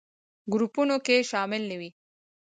ګروپونو کې شامل نه وي.